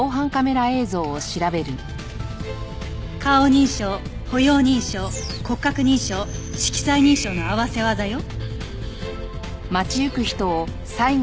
顔認証歩容認証骨格認証色彩認証の合わせ技よ。